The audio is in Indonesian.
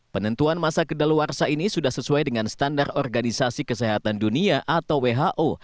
penentuan masa kedaluarsa ini sudah sesuai dengan standar organisasi kesehatan dunia atau who